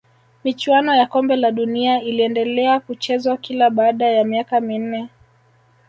michuano ya kombe la dunia iliendelea kuchezwa kila baada ya miaka minne